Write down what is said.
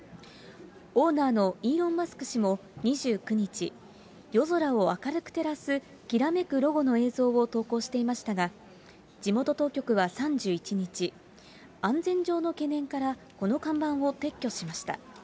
オーナーのイーロン・マスク氏も２９日、夜空を明るく照らすきらめくロゴの映像を投稿していましたが、地元当局は３１日、安全上の懸念からこの看板を撤去しました。